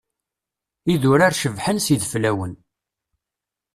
Idurar cebḥen s yideflawen.